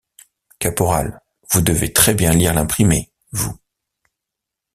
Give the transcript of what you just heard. Caporal, vous devez très bien lire l’imprimé, vous.